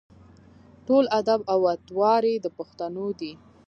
ټول اداب او اطوار یې د پښتنو دي.